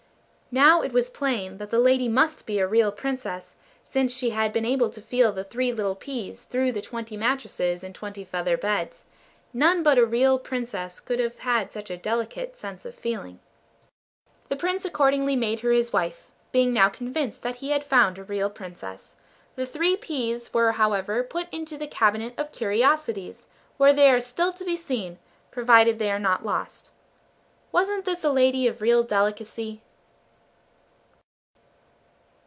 Now it was plain that the lady must be a real Princess, since she had been able to feel the three little peas through the twenty mattresses and twenty feather beds. None but a real Princess could have had such a delicate sense of feeling. The Prince accordingly made her his wife; being now convinced that he had found a real Princess. The three peas were however put into the cabinet of curiosities, where they are still to be seen, provided they are not lost. Wasn't this a lady of real delicacy?